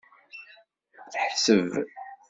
Teḥseb.